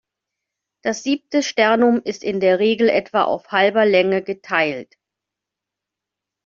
Das siebte Sternum ist in der Regel etwa auf halber Länge geteilt.